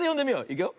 いくよ。